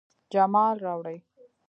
جمال راوړي